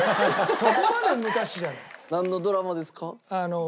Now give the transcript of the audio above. そこまで昔じゃない。